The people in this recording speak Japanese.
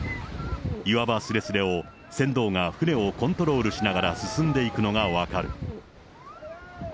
岩場すれすれを船頭が船をコントロールしながら進んでいくのが分かる。